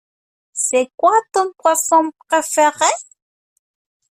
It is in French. C'est quoi ton poisson préféré?